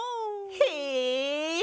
へえ。